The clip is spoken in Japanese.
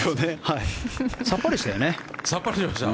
さっぱりしたよね。